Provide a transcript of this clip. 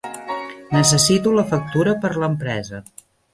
Necessito la factura per l'empresa.